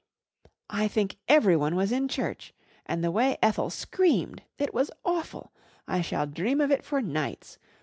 "I think everyone was in church! And the way Ethel screamed! It was awful! I shall dream of it for nights.